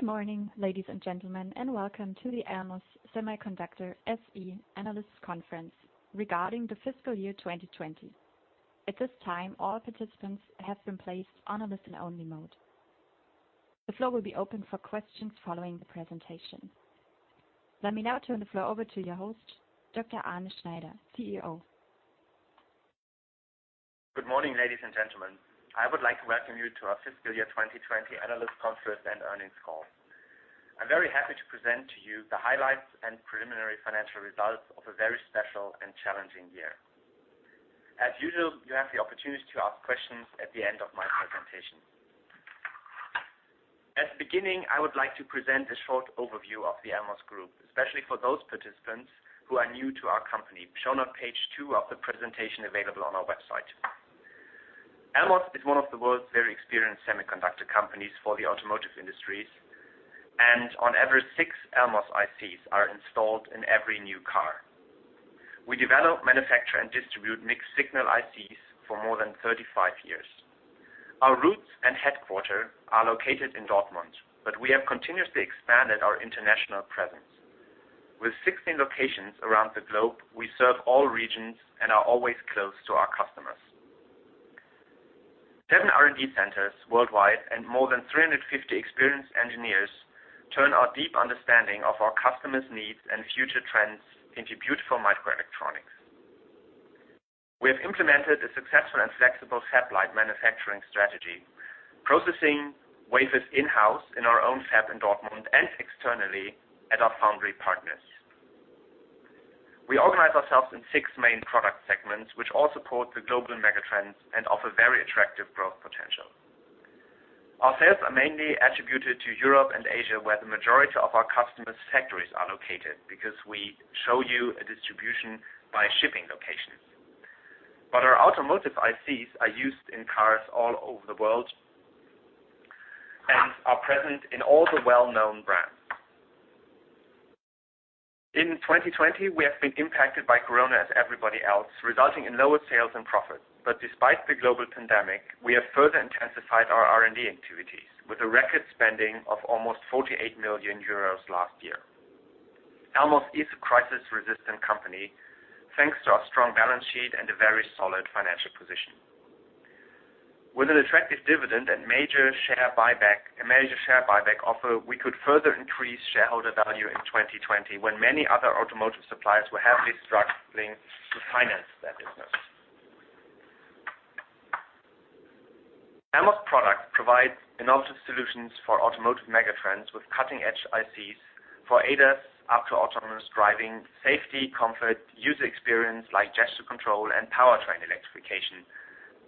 Good morning, ladies and gentlemen, and welcome to the Elmos Semiconductor SE Analyst Conference regarding the fiscal year 2020. At this time, all participants have been placed on a listen-only mode. The floor will be open for questions following the presentation. Let me now turn the floor over to your host, Dr. Arne Schneider, CEO. Good morning, ladies and gentlemen. I would like to welcome you to our fiscal year 2020 analyst conference and earnings call. I'm very happy to present to you the highlights and preliminary financial results of a very special and challenging year. As usual, you have the opportunity to ask questions at the end of my presentation. At the beginning, I would like to present a short overview of the Elmos Group, especially for those participants who are new to our company, shown on page two of the presentation available on our website. Elmos is one of the world's very experienced semiconductor companies for the automotive industries, and on average, six Elmos ICs are installed in every new car. We develop, manufacture, and distribute mixed-signal ICs for more than 35 years. Our roots and headquarter are located in Dortmund, but we have continuously expanded our international presence. With 16 locations around the globe, we serve all regions and are always close to our customers. Seven R&D centers worldwide and more than 350 experienced engineers turn our deep understanding of our customers' needs and future trends into beautiful microelectronics. We have implemented a successful and flexible fab-lite manufacturing strategy, processing wafers in-house in our own fab in Dortmund and externally at our foundry partners. We organize ourselves in six main product segments, which all support the global mega trends and offer very attractive growth potential. Our sales are mainly attributed to Europe and Asia, where the majority of our customers' factories are located because we show you a distribution by shipping location. Our automotive ICs are used in cars all over the world and are present in all the well-known brands. In 2020, we have been impacted by COVID-19 as everybody else, resulting in lower sales and profits. Despite the global pandemic, we have further intensified our R&D activities with a record spending of almost 48 million euros last year. Elmos is a crisis-resistant company, thanks to our strong balance sheet and a very solid financial position. With an attractive dividend and major share buyback offer, we could further increase shareholder value in 2020 when many other automotive suppliers were heavily struggling to finance their business. Elmos products provide innovative solutions for automotive mega trends with cutting-edge ICs for ADAS, up to autonomous driving, safety, comfort, user experience like gesture control and powertrain electrification,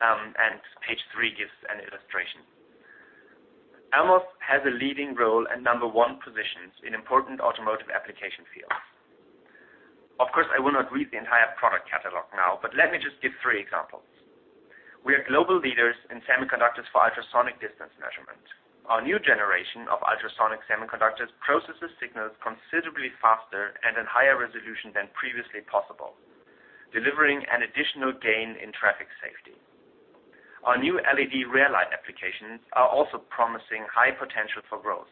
and page three gives an illustration. Elmos has a leading role and number one positions in important automotive application fields. Of course, I will not read the entire product catalog now, but let me just give three examples. We are global leaders in semiconductors for ultrasonic distance measurement. Our new generation of ultrasonic semiconductors processes signals considerably faster and in higher resolution than previously possible, delivering an additional gain in traffic safety. Our new LED rear light applications are also promising high potential for growth.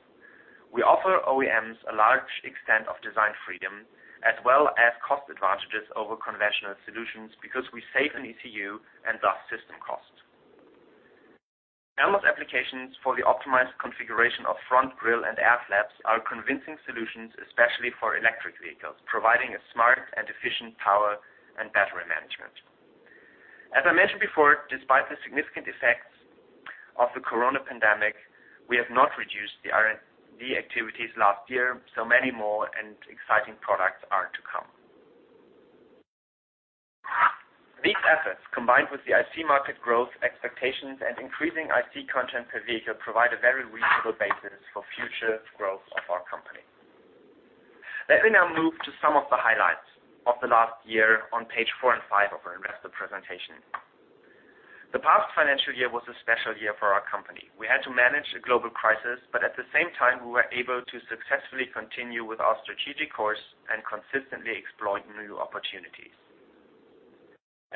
We offer OEMs a large extent of design freedom, as well as cost advantages over conventional solutions because we save an ECU and thus system cost. Elmos applications for the optimized configuration of front grill and air flaps are convincing solutions, especially for electric vehicles, providing a smart and efficient power and battery management. As I mentioned before, despite the significant effects of the corona pandemic, we have not reduced the R&D activities last year, so many more and exciting products are to come. These assets, combined with the IC market growth expectations and increasing IC content per vehicle, provide a very reasonable basis for future growth of our company. Let me now move to some of the highlights of the last year on page four and five of our investor presentation. The past financial year was a special year for our company. We had to manage a global crisis, but at the same time, we were able to successfully continue with our strategic course and consistently exploit new opportunities.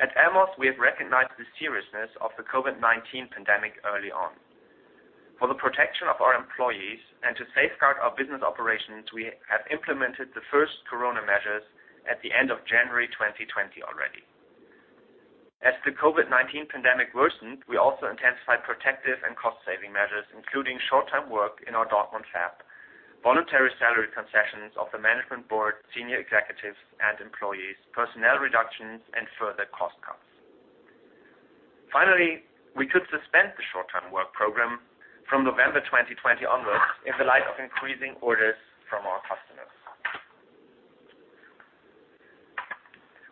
At Elmos, we have recognized the seriousness of the COVID-19 pandemic early on. For the protection of our employees and to safeguard our business operations, we have implemented the first corona measures at the end of January 2020 already. As the COVID-19 pandemic worsened, we also intensified protective and cost-saving measures, including short-term work in our Dortmund fab, voluntary salary concessions of the management board, senior executives and employees, personnel reductions, and further cost cuts. Finally, we could suspend the short-term work program from November 2020 onwards in the light of increasing orders from our customers.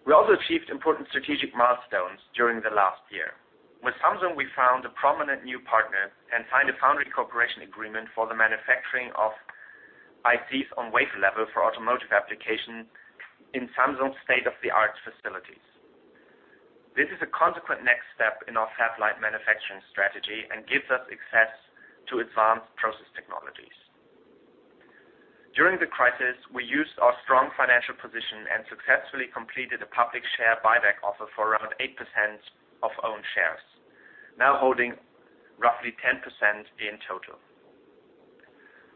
We also achieved important strategic milestones during the last year. With Samsung, we found a prominent new partner and signed a foundry cooperation agreement for the manufacturing of ICs on wafer level for automotive application in Samsung's state-of-the-art facilities. This is a consequent next step in our fab-lite manufacturing strategy and gives us access to advanced process technologies. During the crisis, we used our strong financial position and successfully completed a public share buyback offer for around 8% of owned shares, now holding roughly 10% in total.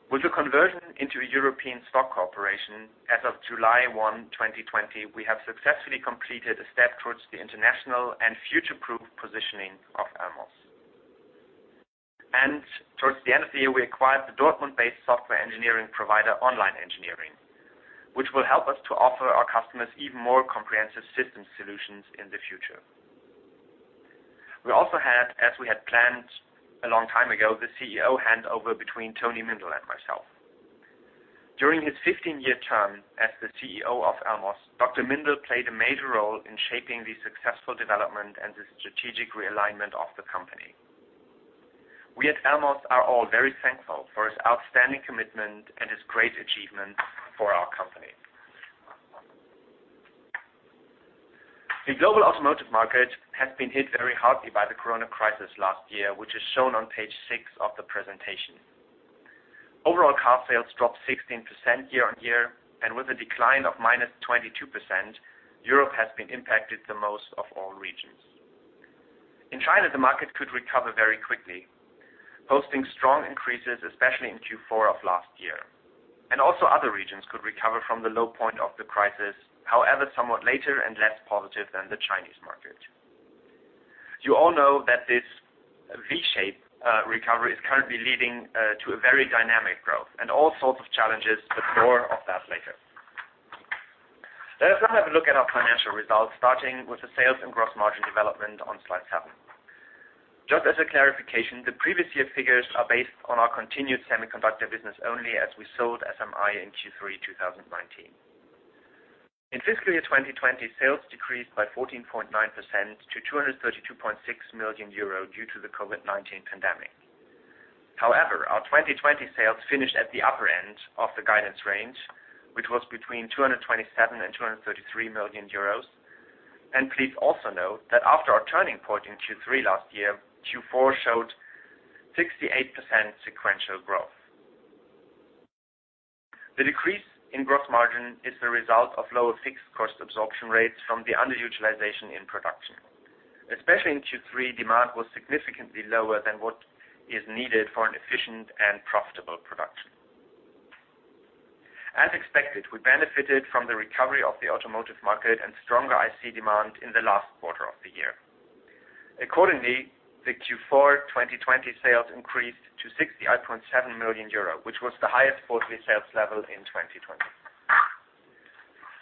With the conversion into a European stock corporation, as of July 1, 2020, we have successfully completed a step towards the international and future-proof positioning of Elmos. Towards the end of the year, we acquired the Dortmund-based software engineering provider, Online Engineering, which will help us to offer our customers even more comprehensive system solutions in the future. We also had, as we had planned a long time ago, the CEO handover between Toni Mindl and myself. During his 15-year term as the CEO of Elmos, Dr. Mindl played a major role in shaping the successful development and the strategic realignment of the company. We at Elmos are all very thankful for his outstanding commitment and his great achievements for our company. The global automotive market has been hit very hardly by the corona crisis last year, which is shown on page six of the presentation. Overall, car sales dropped 16% year-on-year, with a decline of -22%, Europe has been impacted the most of all regions. In China, the market could recover very quickly, posting strong increases, especially in Q4 of last year. Also other regions could recover from the low point of the crisis, however, somewhat later and less positive than the Chinese market. You all know that this V-shaped recovery is currently leading to a very dynamic growth, and all sorts of challenges. More of that later. Let us now have a look at our financial results, starting with the sales and gross margin development on slide seven. Just as a clarification, the previous year figures are based on our continued semiconductor business only, as we sold SMI in Q3 2019. In fiscal year 2020, sales decreased by 14.9% to 232.6 million euro due to the COVID-19 pandemic. Our 2020 sales finished at the upper end of the guidance range, which was between 227 million and 233 million euros. Please also note that after our turning point in Q3 last year, Q4 showed 68% sequential growth. The decrease in gross margin is the result of lower fixed cost absorption rates from the underutilization in production. Especially in Q3, demand was significantly lower than what is needed for an efficient and profitable production. As expected, we benefited from the recovery of the automotive market and stronger IC demand in the last quarter of the year. The Q4 2020 sales increased to 68.7 million euro, which was the highest quarterly sales level in 2020.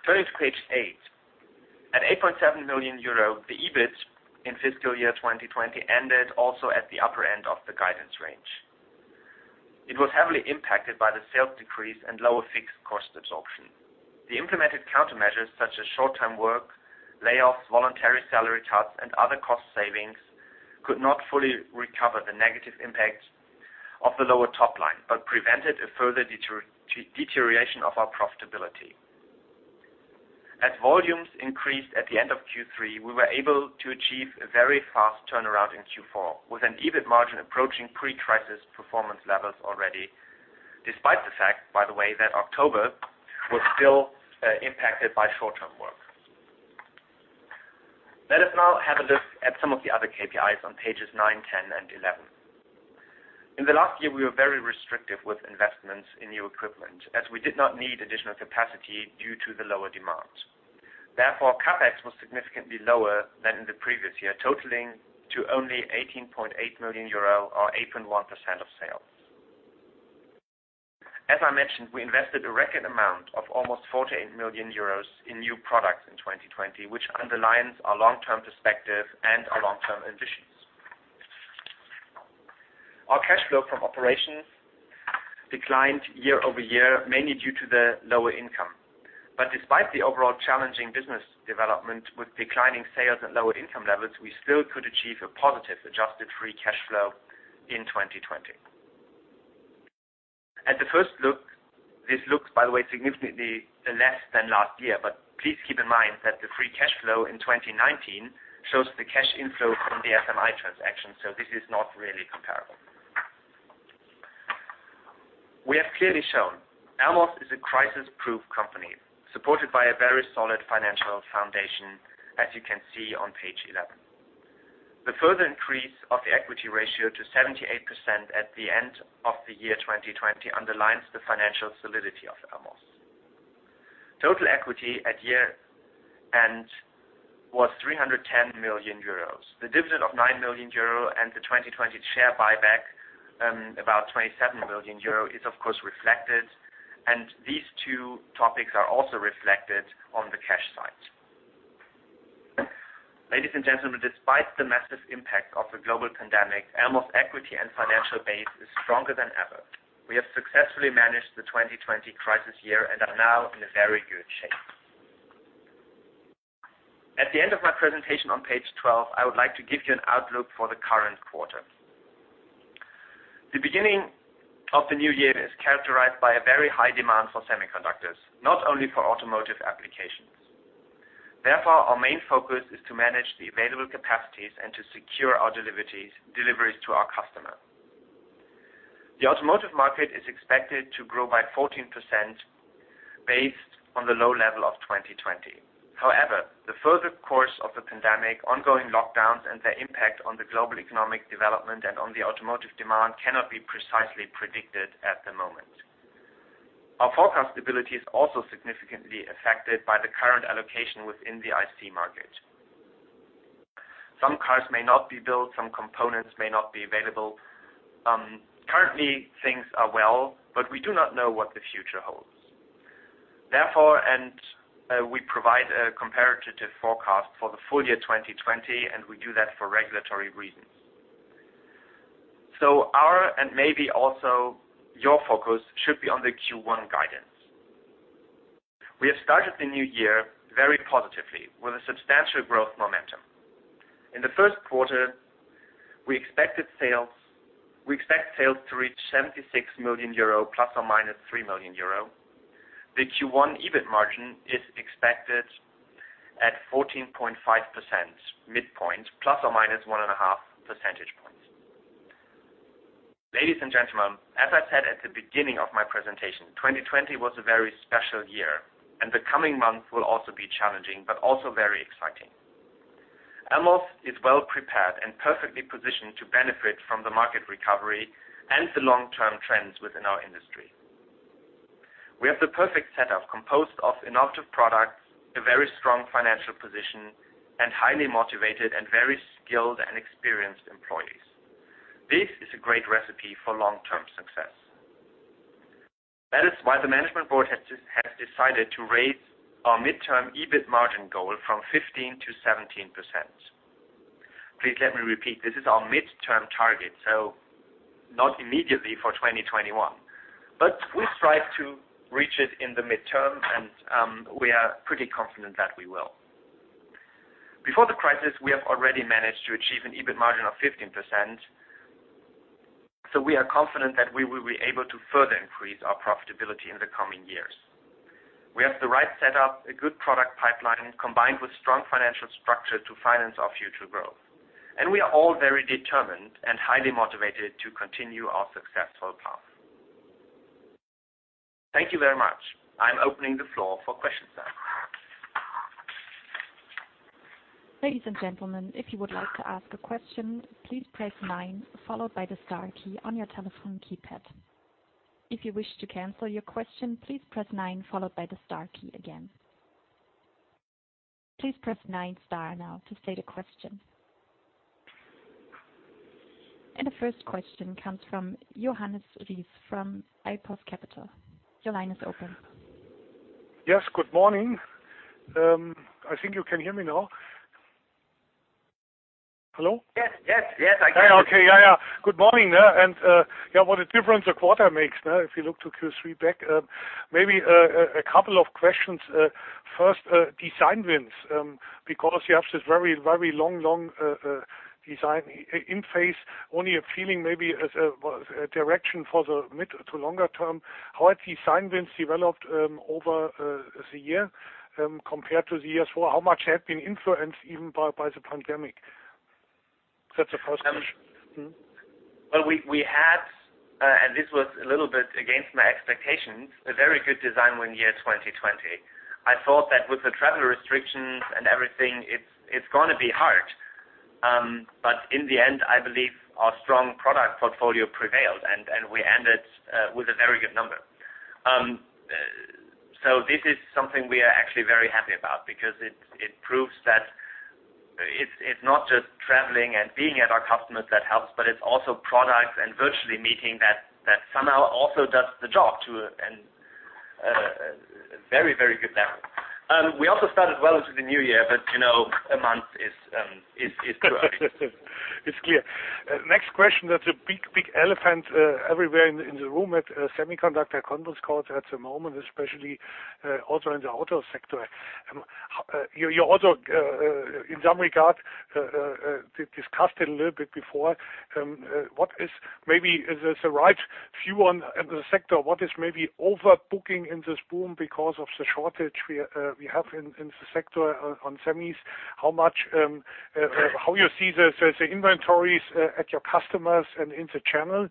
Turning to page eight. At 8.7 million euro, the EBIT in fiscal year 2020 ended also at the upper end of the guidance range. It was heavily impacted by the sales decrease and lower fixed cost absorption. The implemented countermeasures, such as short-term work, layoffs, voluntary salary cuts, and other cost savings, could not fully recover the negative impact of the lower top line, but prevented a further deterioration of our profitability. As volumes increased at the end of Q3, we were able to achieve a very fast turnaround in Q4, with an EBIT margin approaching pre-crisis performance levels already, despite the fact, by the way, that October was still impacted by short-term work. Let us now have a look at some of the other KPIs on pages nine, 10, and 11. In the last year, we were very restrictive with investments in new equipment, as we did not need additional capacity due to the lower demands. Therefore, CapEx was significantly lower than in the previous year, totaling to only 18.8 million euro, or 8.1% of sales. As I mentioned, we invested a record amount of almost 48 million euros in new products in 2020, which underlines our long-term perspective and our long-term ambitions. Our cash flow from operations declined year-over-year, mainly due to the lower income. Despite the overall challenging business development with declining sales and lower income levels, we still could achieve a positive adjusted free cash flow in 2020. At the first look, this looks, by the way, significantly less than last year. Please keep in mind that the free cash flow in 2019 shows the cash inflow from the SMI transaction. This is not really comparable. We have clearly shown Elmos is a crisis-proof company, supported by a very solid financial foundation, as you can see on page 11. The further increase of the equity ratio to 78% at the end of the year 2020 underlines the financial solidity of Elmos. Total equity at year-end was 310 million euros. The dividend of 9 million euro and the 2020 share buyback, about 27 million euro, is of course reflected. These two topics are also reflected on the cash side. Ladies and gentlemen, despite the massive impact of the global pandemic, Elmos equity and financial base is stronger than ever. We have successfully managed the 2020 crisis year and are now in a very good shape. At the end of my presentation on page 12, I would like to give you an outlook for the current quarter. The beginning of the new year is characterized by a very high demand for semiconductors, not only for automotive applications. Our main focus is to manage the available capacities and to secure our deliveries to our customer. The automotive market is expected to grow by 14% based on the low level of 2020. The further course of the pandemic, ongoing lockdowns and their impact on the global economic development and on the automotive demand cannot be precisely predicted at the moment. Our forecast ability is also significantly affected by the current allocation within the IC market. Some cars may not be built, some components may not be available. Currently, things are well, we do not know what the future holds. We provide a comparative forecast for the full year 2020, we do that for regulatory reasons. Our, and maybe also your focus, should be on the Q1 guidance. We have started the new year very positively with a substantial growth momentum. In the Q1, we expect sales to reach 76 million euro, ± 3 million euro. The Q1 EBIT margin is expected at 14.5% midpoint, ± 1.5 percentage points. Ladies and gentlemen, as I said at the beginning of my presentation, 2020 was a very special year, and the coming months will also be challenging, but also very exciting. Elmos is well-prepared and perfectly positioned to benefit from the market recovery and the long-term trends within our industry. We have the perfect setup composed of innovative products, a very strong financial position, and highly motivated and very skilled and experienced employees. This is a great recipe for long-term success. That is why the management board has decided to raise our midterm EBIT margin goal from 15% to 17%. Please let me repeat. This is our midterm target, not immediately for 2021. We strive to reach it in the midterm, and we are pretty confident that we will. Before the crisis, we have already managed to achieve an EBIT margin of 15%. We are confident that we will be able to further increase our profitability in the coming years. We have the right setup, a good product pipeline, combined with strong financial structure to finance our future growth. We are all very determined and highly motivated to continue our successful path. Thank you very much. I'm opening the floor for questions now. The first question comes from Johannes Ries from Apus Capital. Your line is open. Yes. Good morning. I think you can hear me now. Hello? Yes, I can hear you. Okay. Yeah. Good morning there. What a difference a quarter makes now if you look to Q3 back. Maybe a couple of questions. First, design wins, because you have this very long design in phase, only a feeling maybe as a direction for the mid to longer term. How have design wins developed over the year compared to the years before? How much had been influenced even by the pandemic? That's the first question. Well, we had, and this was a little bit against my expectations, a very good design win year 2020. I thought that with the travel restrictions and everything, it's going to be hard. In the end, I believe our strong product portfolio prevailed, and we ended with a very good number. This is something we are actually very happy about because it proves that it's not just traveling and being at our customers that helps, but it's also products and virtually meeting that somehow also does the job to a very good level. We also started well into the new year, but a month is too early. It's clear. Next question. There's a big elephant everywhere in the room at semiconductor conference calls at the moment, especially also in the auto sector. You also, in some regard, discussed it a little bit before. What is maybe the right view on the sector? What is maybe overbooking in this boom because of the shortage we have in the sector on semis? How you see the inventories at your customers and in the channel?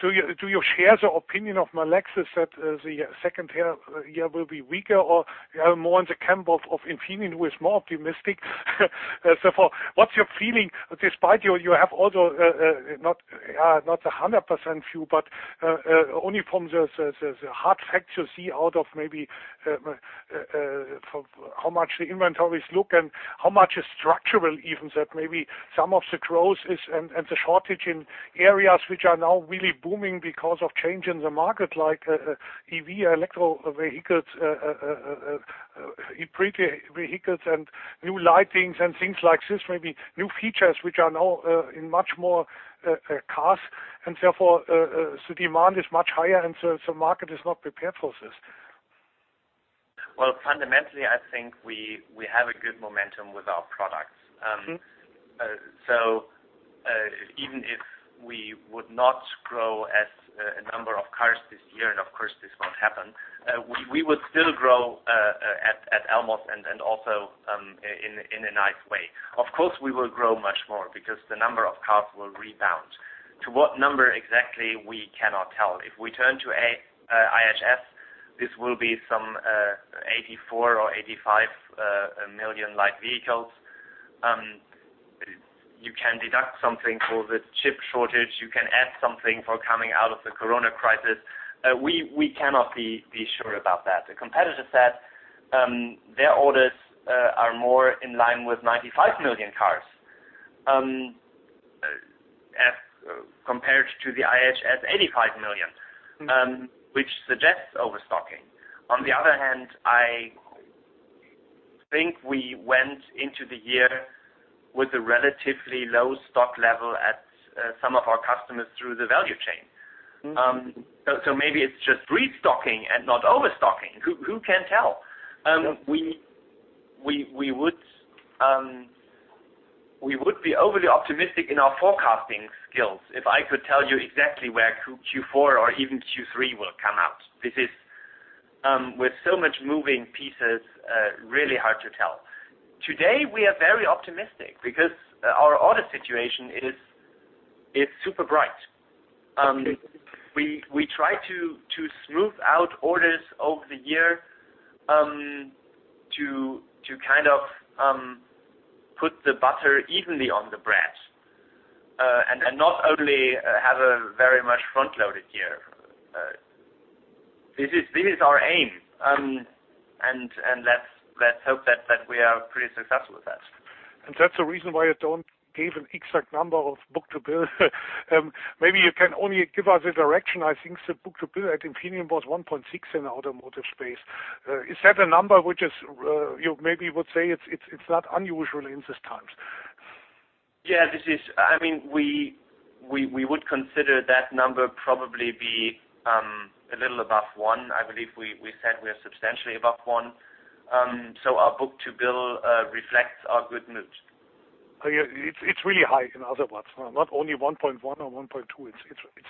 Do you share the opinion of Melexis that the second half year will be weaker or you are more in the camp of Infineon who is more optimistic? Far, what's your feeling despite you have also not 100% view, but only from the hard facts you see out of maybe how much the inventories look and how much is structural, even that maybe some of the growth and the shortage in areas which are now really booming because of change in the market, like EV, electrical vehicles, e-powered vehicles and new lightings and things like this, maybe new features which are now in much more cars. Therefore, the demand is much higher. The market is not prepared for this. Well, fundamentally, I think we have a good momentum with our products. Even if we would not grow as a number of cars this year, and of course this won't happen, we would still grow at Elmos and also in a nice way. Of course, we will grow much more because the number of cars will rebound. To what number exactly, we cannot tell. If we turn to IHs, this will be some 84 or 85 million light vehicles. You can deduct something for the chip shortage. You can add something for coming out of the COVID crisis. We cannot be sure about that. The competitor said their orders are more in line with 95 million cars as compared to the IHs 85 million, which suggests overstocking. On the other hand, I think we went into the year with a relatively low stock level at some of our customers through the value chain. Maybe it's just restocking and not overstocking. Who can tell? We would be overly optimistic in our forecasting skills if I could tell you exactly where Q4 or even Q3 will come out. This is, with so much moving pieces, really hard to tell. Today, we are very optimistic because our order situation is super bright. We try to smooth out orders over the year to put the butter evenly on the bread, and not only have a very much front-loaded year. This is our aim, and let's hope that we are pretty successful with that. That's the reason why you don't give an exact number of book-to-bill. Maybe you can only give us a direction. I think the book-to-bill at Infineon was 1.6 in the automotive space. Is that a number which is, maybe you would say it's not unusual in these times? Yeah. We would consider that number probably be a little above one. I believe we said we are substantially above one. Our book-to-bill reflects our good mood. It's really high in other words. Not only 1.1 or 1.2, it's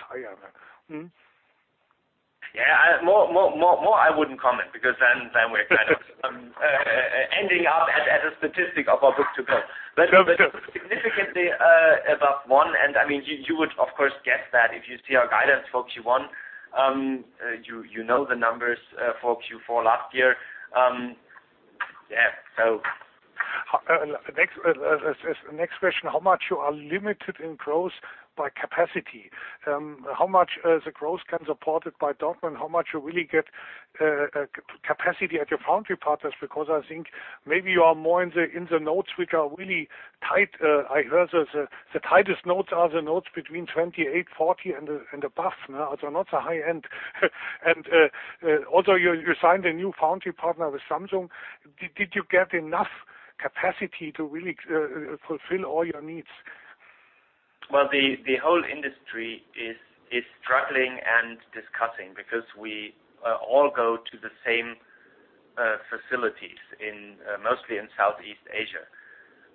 higher. Yeah. More I wouldn't comment because then we're ending up at a statistic of our book-to-bill. Sure. Significantly above one, and you would of course guess that if you see our guidance for Q1. You know the numbers for Q4 last year. Yeah. Next question, how much you are limited in growth by capacity? How much the growth can supported by Dortmund? How much you really get capacity at your foundry partners, because I think maybe you are more in the nodes which are really tight. I heard the tightest nodes are the nodes between 28, 40 and above now. They're not the high-end. Although you signed a new foundry partner with Samsung, did you get enough capacity to really fulfill all your needs? The whole industry is struggling and discussing because we all go to the same facilities, mostly in Southeast Asia.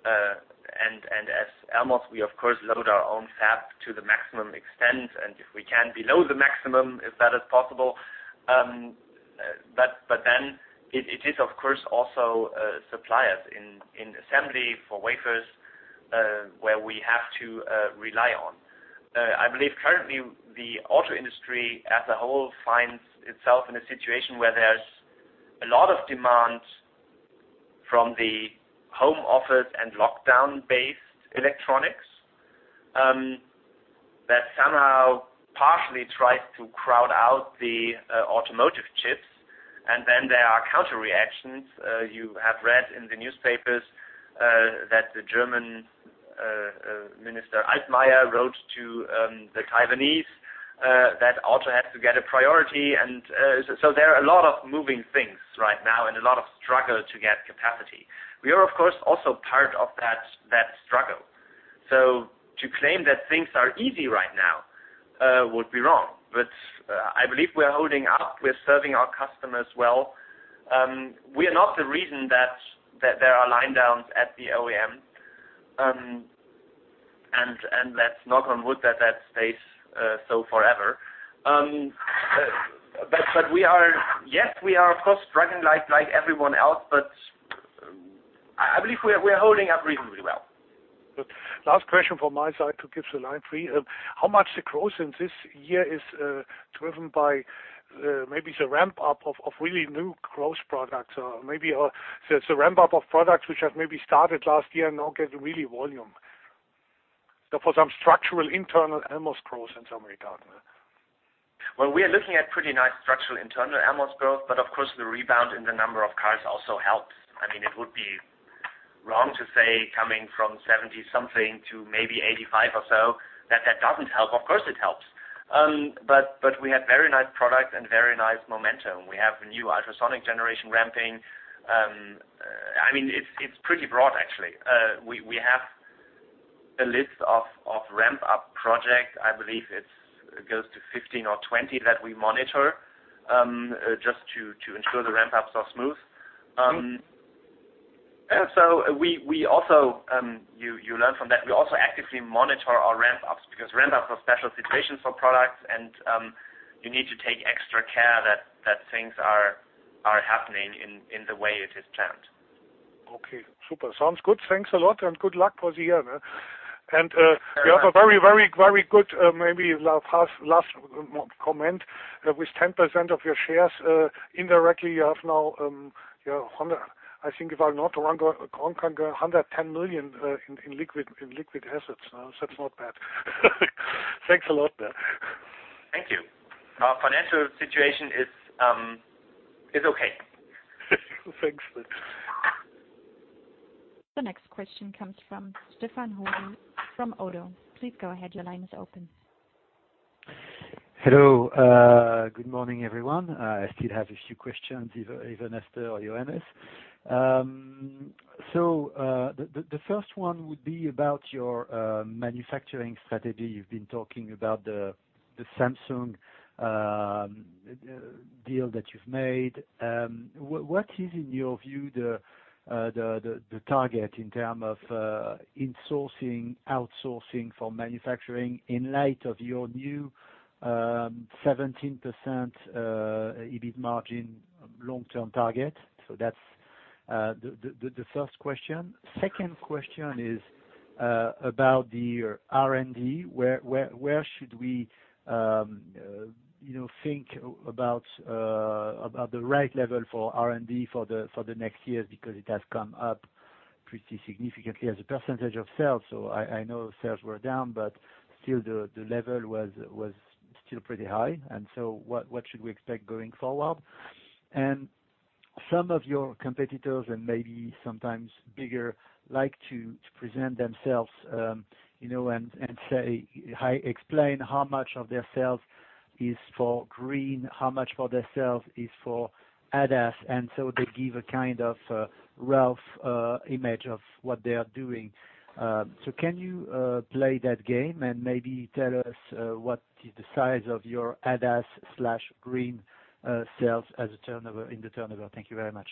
As Elmos, we of course load our own fab to the maximum extent, and if we can below the maximum, if that is possible. It is of course also suppliers in assembly for wafers, where we have to rely on. I believe currently the automotive industry as a whole finds itself in a situation where there's a lot of demand from the home office and lockdown-based electronics, that somehow partially tries to crowd out the automotive chips. There are counter reactions. You have read in the newspapers, that the German Minister Altmaier wrote to the Taiwanese that automotive had to get a priority. There are a lot of moving things right now and a lot of struggle to get capacity. We are, of course, also part of that struggle. To claim that things are easy right now would be wrong. I believe we are holding up. We are serving our customers well. We are not the reason that there are line downs at the OEM. Let's knock on wood that that stays so forever. We are, yes, we are of course struggling like everyone else, but I believe we are holding up reasonably well. Good. Last question from my side to keep the line free. How much the growth in this year is driven by maybe the ramp-up of really new growth products, or maybe the ramp-up of products which have maybe started last year, now get really volume? For some structural internal Elmos growth in some regard. Well, we are looking at pretty nice structural internal Elmos growth. Of course, the rebound in the number of cars also helps. It would be wrong to say coming from 70 something to maybe 85 or so that that doesn't help. Of course, it helps. We have very nice product and very nice momentum. We have new ultrasonic generation ramping. It's pretty broad, actually. We have a list of ramp-up project. I believe it goes to 15 or 20 that we monitor, just to ensure the ramp-ups are smooth. You learn from that. We also actively monitor our ramp-ups, because ramp-ups are special situations for products, and you need to take extra care that things are happening in the way it is planned. Okay. Super. Sounds good. Thanks a lot. Good luck for the year. You have a very good, maybe last comment. With 10% of your shares, indirectly, you have now, I think if I'm not wrong, holding 110 million in liquid assets. That's not bad. Thanks a lot. Thank you. Our financial situation is okay. Thanks. The next question comes from Stéphane Houri from Oddo. Please go ahead. Your line is open. Hello. Good morning, everyone. I still have a few questions, either or Johannes. The first one would be about your manufacturing strategy. You've been talking about the Samsung deal that you've made. What is, in your view, the target in term of insourcing, outsourcing for manufacturing in light of your new 17% EBIT margin long-term target? That's the first question. Second question is about your R&D. Where should we think about the right level for R&D for the next years? Because it has come up pretty significantly as a percentage of sales. I know sales were down, but still the level was still pretty high. What should we expect going forward? Some of your competitors, and maybe sometimes bigger, like to present themselves, and explain how much of their sales is for green, how much for their sales is for ADAS, they give a kind of rough image of what they are doing. Can you play that game and maybe tell us what is the size of your ADAS/green sales in the turnover? Thank you very much.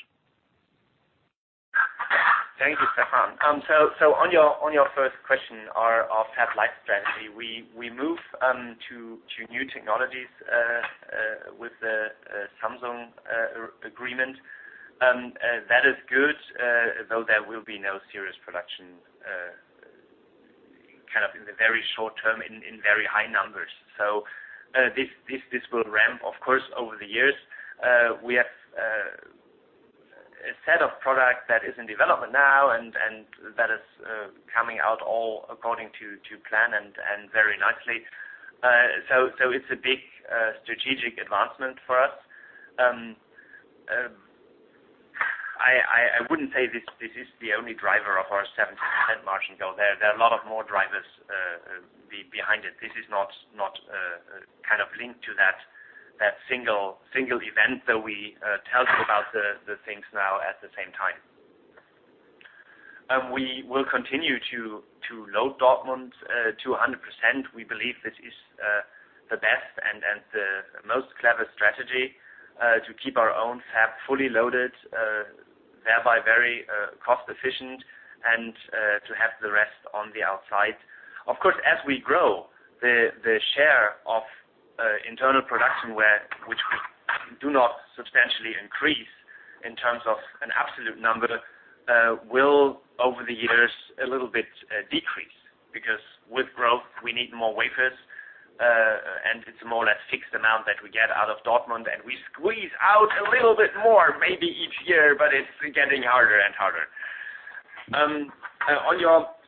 Thank you, Stephane. On your first question, our fab-lite strategy. We move to new technologies with the Samsung agreement. That is good, though there will be no serious production in the very short term in very high numbers. This will ramp, of course, over the years. We have a set of products that is in development now, and that is coming out all according to plan and very nicely. It's a big strategic advancement for us. I wouldn't say this is the only driver of our 17% margin, though. There are a lot of more drivers behind it. This is not linked to that single event that we tell you about the things now at the same time. We will continue to load Dortmund to 100%. We believe this is the best and the most clever strategy to keep our own fab fully loaded, thereby very cost efficient and to have the rest on the outside. Of course, as we grow, the share of internal production, which we do not substantially increase in terms of an absolute number will, over the years, a little bit decrease, because with growth, we need more wafers. It's more or less fixed amount that we get out of Dortmund, and we squeeze out a little bit more maybe each year, but it's getting harder and harder.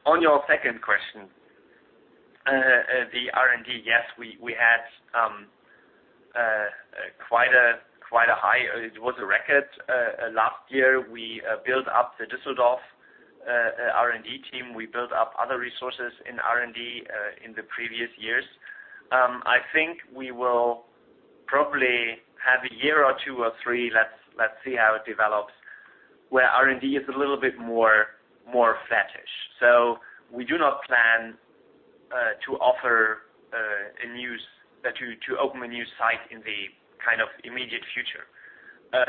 On your second question, the R&D, yes, it was a record last year. We built up the Düsseldorf R&D team. We built up other resources in R&D in the previous years. I think we will probably have a year or two or three, let's see how it develops, where R&D is a little bit more flattish. We do not plan to open a new site in the immediate future. I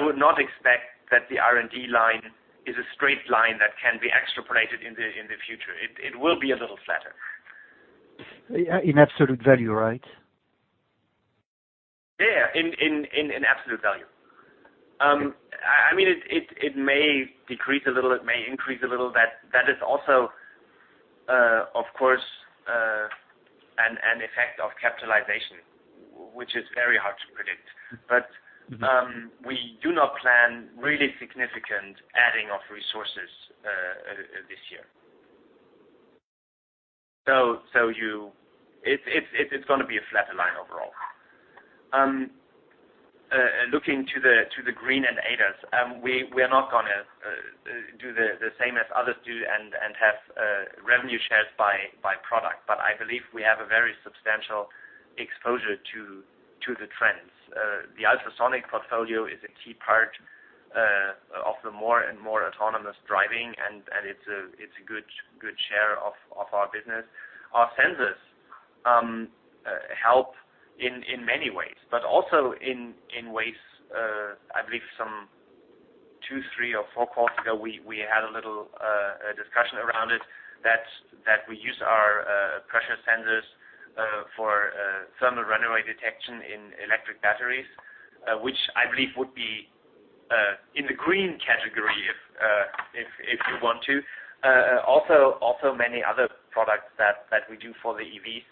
would not expect that the R&D line is a straight line that can be extrapolated in the future. It will be a little flatter. In absolute value, right? Yeah, in absolute value. It may decrease a little, it may increase a little. That is also, of course, an effect of capitalization, which is very hard to predict. We do not plan really significant adding of resources this year. It's going to be a flatter line overall. Looking to the green and ADAS, we are not going to do the same as others do and have revenue shares by product. I believe we have a very substantial exposure to the trends. The ultrasonic portfolio is a key part of the more and more autonomous driving, and it's a good share of our business. Our sensors help in many ways. But also in ways, I believe some two, three or four quarters ago, we had a little discussion around it, that we use our pressure sensors for thermal runaway detection in electric batteries, which I believe would be in the green category if you want to. Many other products that we do for the EVs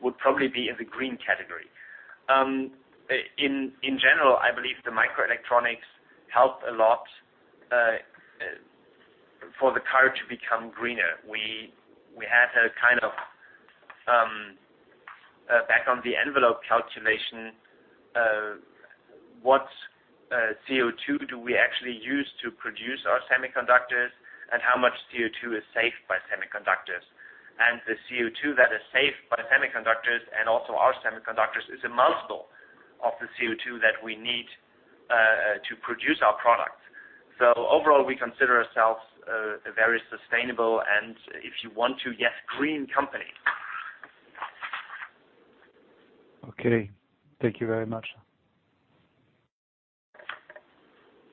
would probably be in the green category. In general, I believe the microelectronics help a lot for the car to become greener. We had a kind of back-on-the-envelope calculation of what CO2 do we actually use to produce our semiconductors and how much CO2 is saved by semiconductors. The CO2 that is saved by the semiconductors and also our semiconductors is a multiple of the CO2 that we need to produce our product. Overall, we consider ourselves very sustainable and if you want to, yes, green company. Okay. Thank you very much.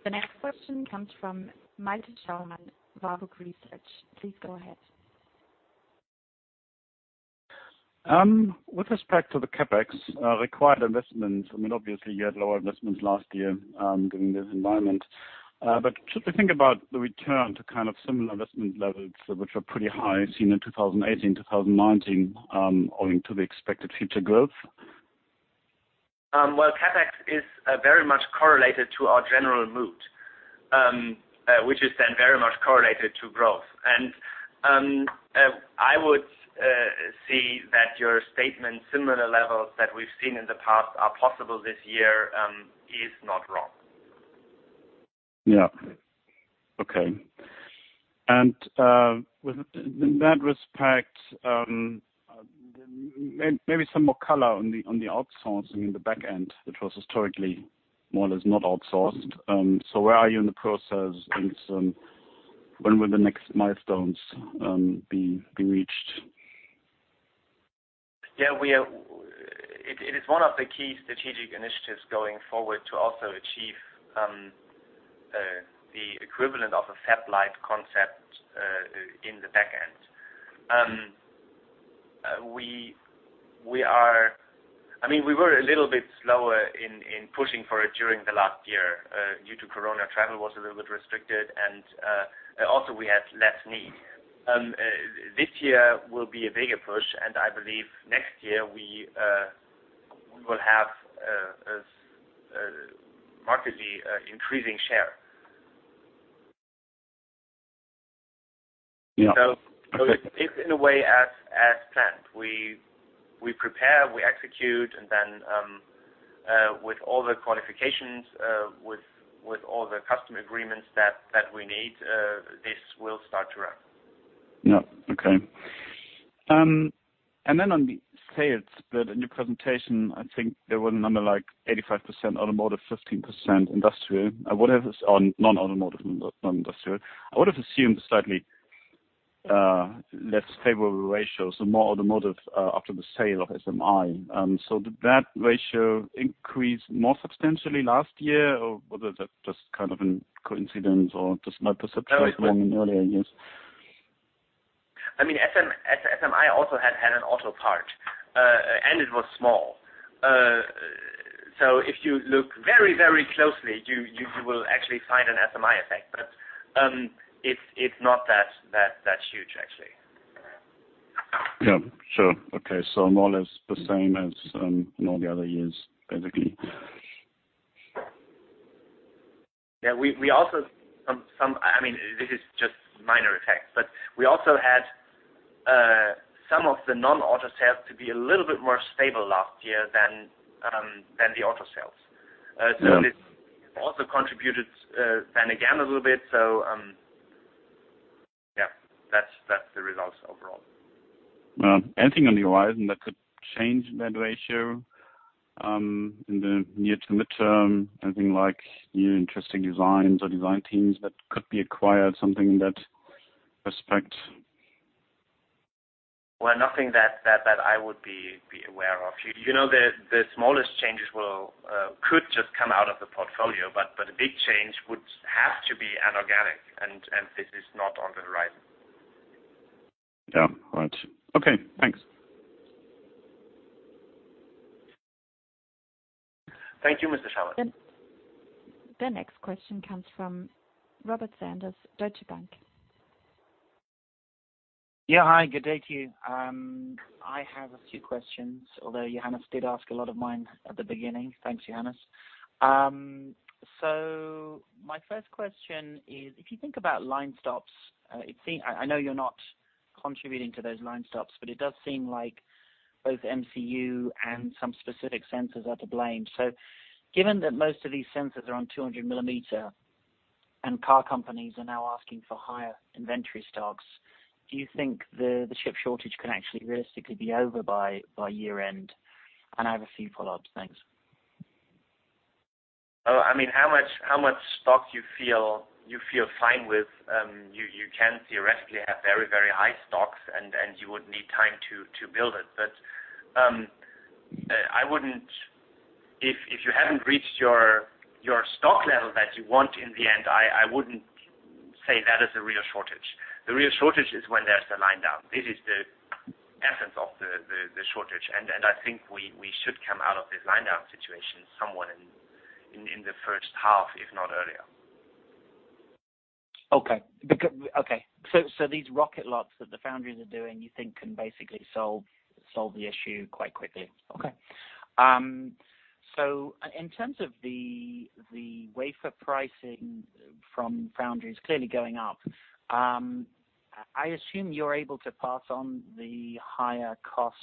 The next question comes from Malte Schaumann, Warburg Research. Please go ahead. With respect to the CapEx required investment, I mean, obviously you had lower investments last year, given this environment. Should we think about the return to kind of similar investment levels, which were pretty high seen in 2018, 2019, owing to the expected future growth? Well, CapEx is very much correlated to our general mood, which is then very much correlated to growth. I would see that your statement, similar levels that we've seen in the past are possible this year, is not wrong. Yeah. Okay. With that respect, maybe some more color on the outsourcing in the back end, which was historically more or less not outsourced. Where are you in the process, and when will the next milestones be reached? Yeah. It is one of the key strategic initiatives going forward to also achieve the equivalent of a fab-lite concept in the back end. We were a little bit slower in pushing for it during the last year due to coronavirus, travel was a little bit restricted and also we had less need. This year will be a bigger push, and I believe next year we will have a markedly increasing share. It's in a way as planned. We prepare, we execute, and then with all the qualifications, with all the customer agreements that we need, this will start to run. Yeah. Okay. On the sales bit in your presentation, I think there was a number like 85% automotive, 15% industrial. I would have assumed non-automotive, non-industrial. I would've assumed a slightly less favorable ratio, so more automotive after the sale of SMI. Did that ratio increase more substantially last year, or was that just kind of a coincidence or just my perception from in earlier years? SMI also had an auto part, and it was small. If you look very closely, you will actually find an SMI effect. It's not that huge, actually. Yeah. Sure. Okay. More or less the same as in all the other years, basically. Yeah. This is just minor effects, but we also had some of the non-auto sales to be a little bit more stable last year than the auto sales. This also contributed then again, a little bit. Yeah, that's the results overall. Anything on the horizon that could change that ratio in the near to midterm? Anything like new interesting designs or design teams that could be acquired, something in that respect? Well, nothing that I would be aware of. The smallest changes could just come out of the portfolio, but a big change would have to be an organic, and this is not on the horizon. Yeah. Right. Okay. Thanks. Thank you, Mr. Schaumann. The next question comes from Robert Sanders, Deutsche Bank. Yeah. Hi, good day to you. I have a few questions, although Johannes did ask a lot of mine at the beginning. Thanks, Johannes. My first question is, if you think about line stops, I know you're not contributing to those line stops, but it does seem like both MCU and some specific sensors are to blame. Given that most of these sensors are on 200 mm and car companies are now asking for higher inventory stocks, do you think the chip shortage can actually realistically be over by year-end? I have a few follow-ups. Thanks. How much stock you feel fine with, you can theoretically have very, very high stocks, and you would need time to build it. If you haven't reached your stock level that you want in the end, I wouldn't say that is a real shortage. The real shortage is when there's a line down. This is the essence of the shortage, and I think we should come out of this line down situation somewhat in the first half, if not earlier. Okay. These rocket lots that the foundries are doing, you think can basically solve the issue quite quickly? Okay. In terms of the wafer pricing from foundries clearly going up, I assume you're able to pass on the higher cost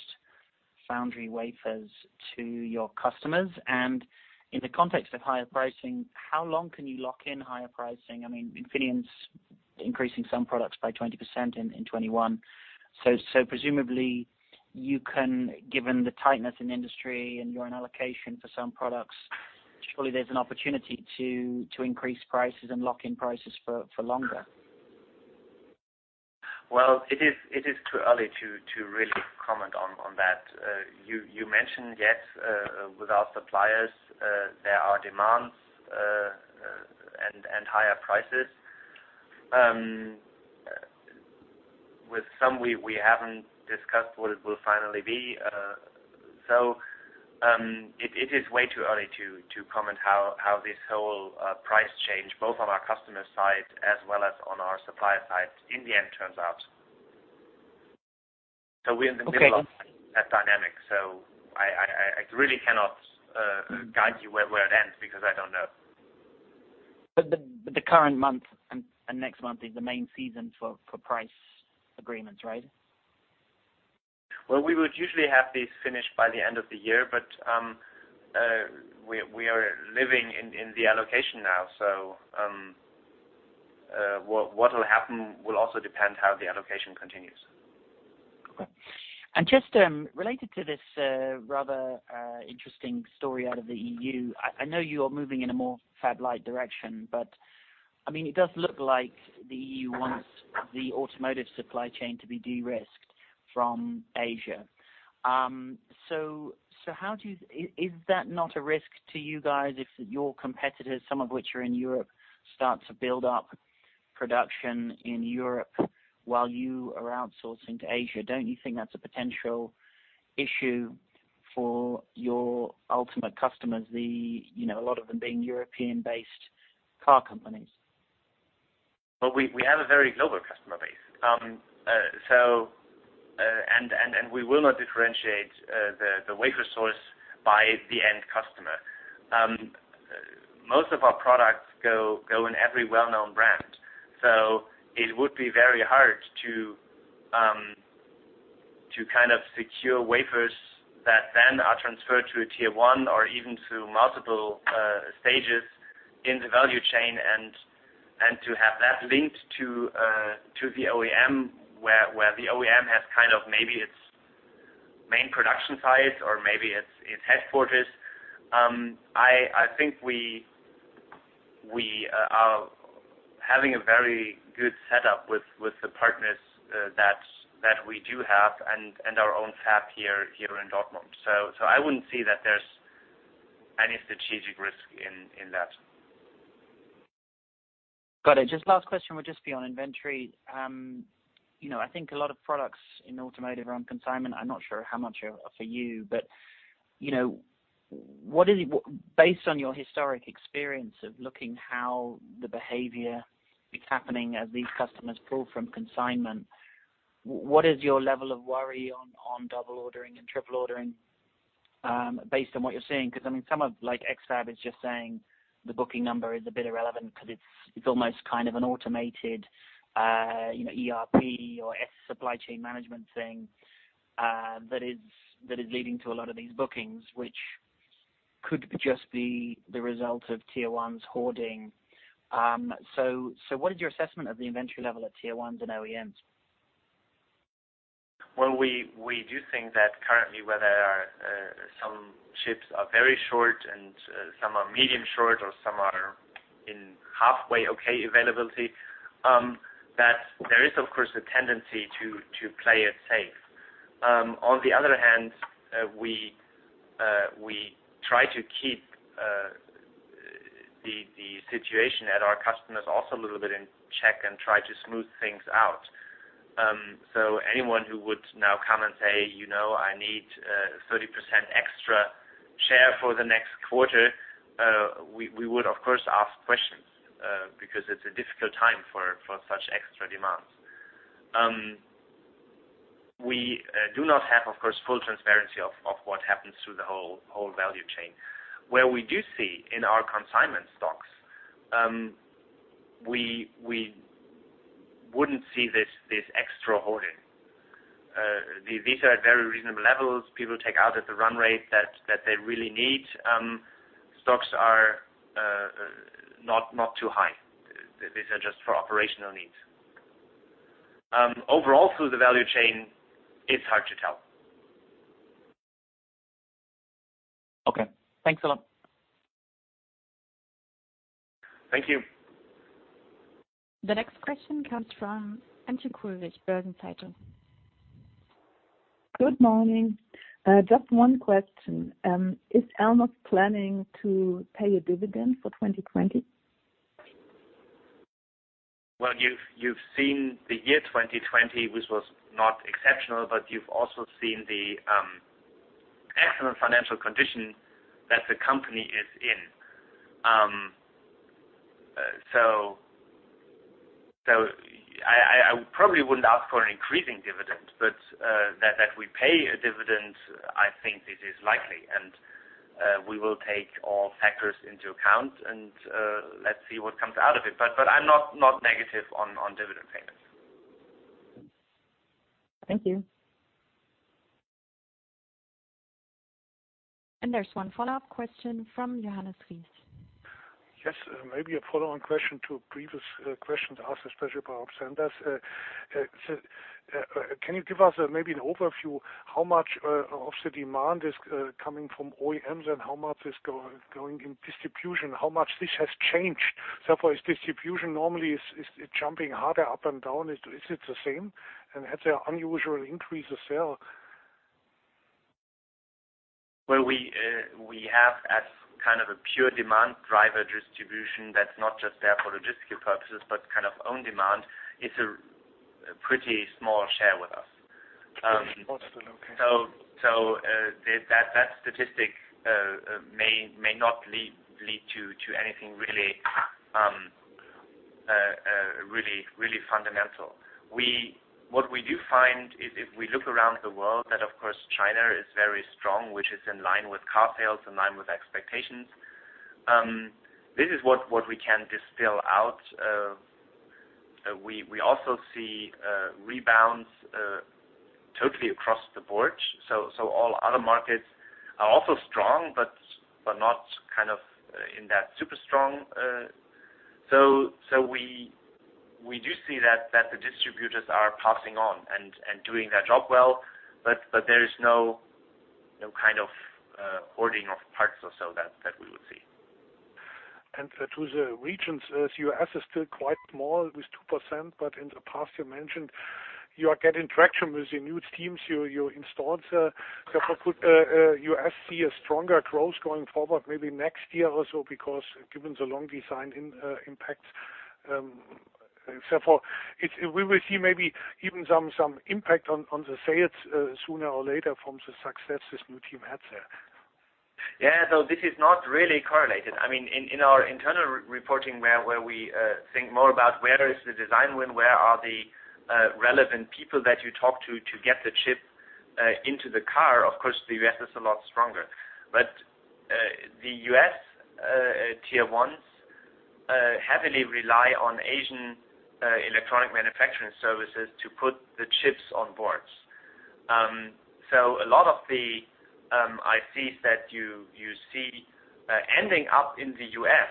foundry wafers to your customers. In the context of higher pricing, how long can you lock in higher pricing? Infineon is increasing some products by 20% in 2021. Presumably, given the tightness in industry and you're in allocation for some products, surely there's an opportunity to increase prices and lock in prices for longer. Well, it is too early to really comment on that. You mentioned, yes, with our suppliers, there are demands and higher prices. With some we haven't discussed what it will finally be. It is way too early to comment how this whole price change, both on our customer side as well as on our supplier side, in the end turns out. Okay. We are in the middle of that dynamic. I really cannot guide you where it ends because I don't know. The current month and next month is the main season for price agreements, right? Well, we would usually have these finished by the end of the year, but we are living in the allocation now. What will happen will also depend how the allocation continues. Just related to this rather interesting story out of the E.U. I know you are moving in a more fab-lite direction, but it does look like the E.U. wants the automotive supply chain to be de-risked from Asia. Is that not a risk to you guys if your competitors, some of which are in Europe, start to build up production in Europe while you are outsourcing to Asia? Don't you think that's a potential issue for your ultimate customers, a lot of them being European-based car companies? Well, we have a very global customer base. We will not differentiate the wafer source by the end customer. Most of our products go in every well-known brand. It would be very hard to secure wafers that then are transferred to a Tier1 or even to multiple stages in the value chain, and to have that linked to the OEM where the OEM has maybe its main production sites or maybe its headquarters. I think we are having a very good setup with the partners that we do have and our own fab here in Dortmund. I wouldn't say that there's any strategic risk in that. Got it. Just last question would just be on inventory. I think a lot of products in automotive are on consignment. I'm not sure how much are for you, but based on your historic experience of looking how the behavior is happening as these customers pull from consignment, what is your level of worry on double ordering and triple ordering, based on what you're seeing? Because some of like X-FAB is just saying the booking number is a bit irrelevant because it's almost an automated ERP or SE supply chain management thing that is leading to a lot of these bookings, which could just be the result of Tier1s hoarding. What is your assessment of the inventory level at Tier1s and OEMs? Well, we do think that currently where there are some chips are very short and some are medium short or some are in halfway okay availability, that there is of course a tendency to play it safe. On the other hand, we try to keep the situation at our customers also a little bit in check and try to smooth things out. Anyone who would now come and say, "I need 30% extra share for the next quarter," we would of course ask questions, because it's a difficult time for such extra demands. We do not have, of course, full transparency of what happens through the whole value chain. Where we do see in our consignment stocks, we wouldn't see this extra hoarding. These are at very reasonable levels. People take out at the run rate that they really need. Stocks are not too high. These are just for operational needs. Overall, through the value chain, it's hard to tell. Okay. Thanks a lot. Thank you. The next question comes from Antje Kullrich, Börsen-Zeitung. Good morning. Just one question. Is Elmos planning to pay a dividend for 2020? Well, you've seen the year 2020, which was not exceptional, but you've also seen the excellent financial condition that the company is in. I probably wouldn't ask for an increasing dividend, but that we pay a dividend, I think this is likely. We will take all factors into account and let's see what comes out of it. I'm not negative on dividend payments. Thank you. There's one follow-up question from Johannes Ries. Yes, maybe a follow-on question to a previous question asked, especially by, can you give us maybe an overview how much of the demand is coming from OEMs and how much is going in distribution, how much this has changed? For distribution, normally, is it jumping harder up and down? Is it the same? Has there unusual increase of sale? Well, we have as kind of a pure demand driver distribution that's not just there for logistical purposes, but kind of own demand. It's a pretty small share with us. Okay. That statistic may not lead to anything really fundamental. What we do find is if we look around the world, that, of course, China is very strong, which is in line with car sales, in line with expectations. This is what we can distill out. We also see rebounds totally across the board. All other markets are also strong, but not kind of in that super strong. We do see that the distributors are passing on and doing their job well, but there is no kind of hoarding of parts or so that we would see. To the regions, as U.S. is still quite small with 2%, in the past, you mentioned you are getting traction with the new teams you installed. Could U.S. see a stronger growth going forward, maybe next year also, because given the long design impacts, and so forth. We will see maybe even some impact on the sales sooner or later from the success this new team had there. Yeah. This is not really correlated. In our internal reporting, where we think more about where is the design win, where are the relevant people that you talk to get the chip into the car, of course, the U.S. is a lot stronger. The U.S. Tier1s heavily rely on Asian electronic manufacturing services to put the chips on boards. A lot of the ICs that you see ending up in the U.S.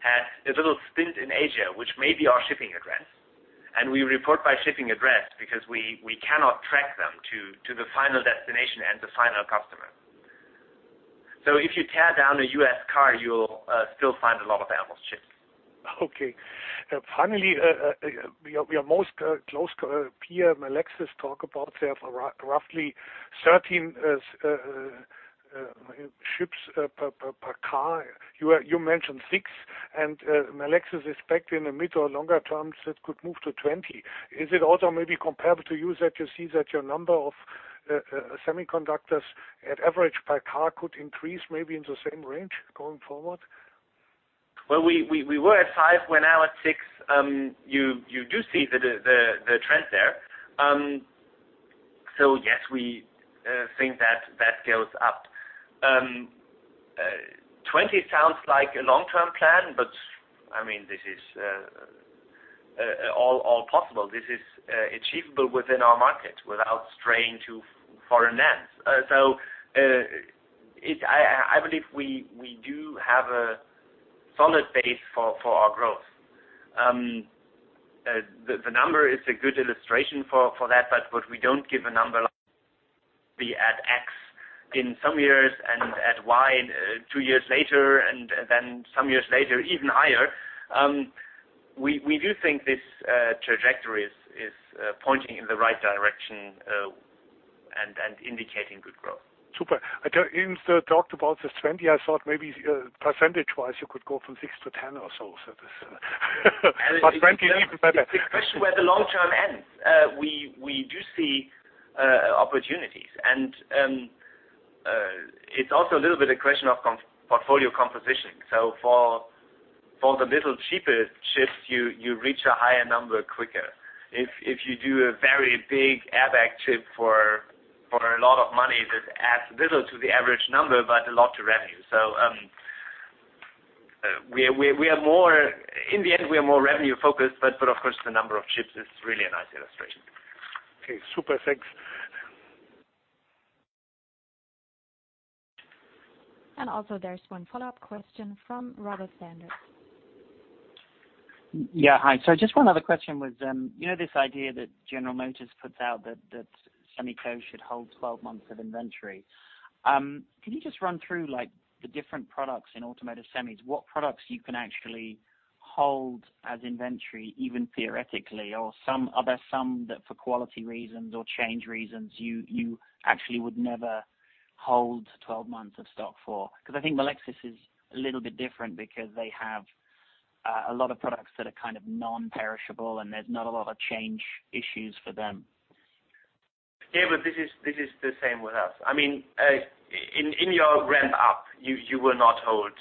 had a little stint in Asia, which may be our shipping address. We report by shipping address because we cannot track them to the final destination and the final customer. If you tear down a U.S. car, you'll still find a lot of Elmos chips. Okay. Finally, your most close peer, Melexis, talk about they have roughly 13 chips per car. You mentioned six, and Melexis expect in the mid or longer term that could move to 20. Is it also maybe comparable to you that you see that your number of semiconductors at average per car could increase maybe in the same range going forward? Well, we were at five, we're now at six. You do see the trend there. Yes, we think that scales up. 20 sounds like a long-term plan. This is all possible. This is achievable within our market without straying to foreign lands. I believe we do have a solid base for our growth. The number is a good illustration for that. We don't give a number like be at X in some years and at Y two years later, and then some years later, even higher. We do think this trajectory is pointing in the right direction, and indicating good growth. Super. In the talk about the 20%, I thought maybe percentage-wise, you could go from 6%-10% or so. 20% even better. It's a question where the long term ends. We do see opportunities, and it's also a little bit a question of portfolio composition. For the little cheaper chips, you reach a higher number quicker. If you do a very big ADAS chip for a lot of money, that adds little to the average number, but a lot to revenue. In the end, we are more revenue-focused, but of course, the number of chips is really a nice illustration. Okay, super. Thanks. Also there's one follow-up question from Robert Sanders. Yeah, hi. Just one other question was, you know this idea that General Motors puts out that semis co. should hold 12 months of inventory. Can you just run through the different products in automotive semis? What products you can actually hold as inventory, even theoretically? Are there some that for quality reasons or change reasons, you actually would never hold 12 months of stock for? I think Melexis is a little bit different because they have a lot of products that are non-perishable, and there's not a lot of change issues for them. This is the same with us. In your ramp-up, you will not have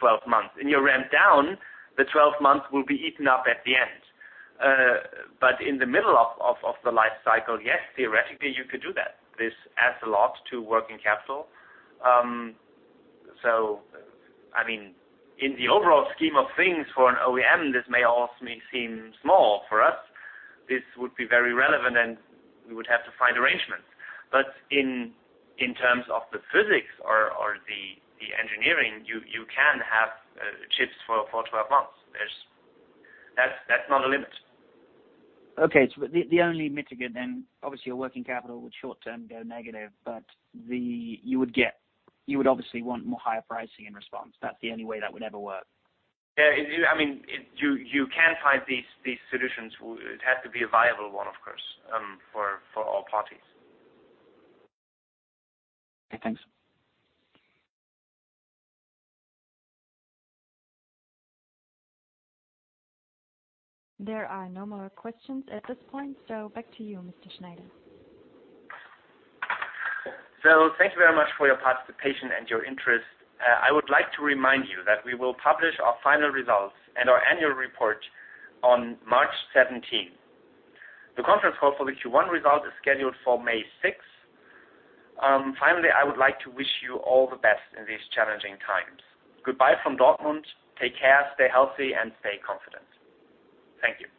12 months. In your ramp down, the 12 months will be eaten up at the end. In the middle of the life cycle, yes, theoretically, you could do that. This adds a lot to working capital. In the overall scheme of things for an OEM, this may all seem small. For us, this would be very relevant, and we would have to find arrangements. In terms of the physics or the engineering, you can have chips for 12 months. That's not a limit. The only mitigator then, obviously your working capital would short-term go negative, you would obviously want more higher pricing in response. That's the only way that would ever work. Yeah. You can find these solutions. It has to be a viable one, of course, for all parties. Okay, thanks. There are no more questions at this point. Back to you, Mr. Schneider. Thank you very much for your participation and your interest. I would like to remind you that we will publish our final results and our annual report on March 17th. The conference call for the Q1 result is scheduled for May 6th. Finally, I would like to wish you all the best in these challenging times. Goodbye from Dortmund. Take care, stay healthy, and stay confident. Thank you.